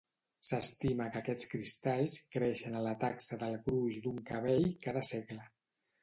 S'estima que aquests cristalls creixen a la taxa del gruix d'un cabell cada segle.